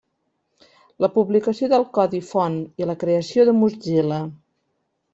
La publicació del codi font i la creació de Mozilla.